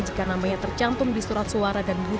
jika namanya tercantum di surat suara dan bukti